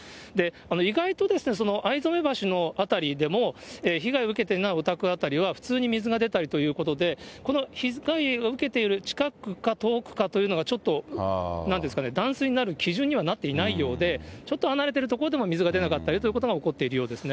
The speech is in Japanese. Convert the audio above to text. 意外と逢初橋の辺りでも、被害を受けていないお宅辺りは、普通に水が出たりということで、この被害を受けている近くか遠くかというのがちょっと、なんですかね、断水になる基準になっていないようで、ちょっと離れてる所でも水が出なかったりということが起こっているようですね。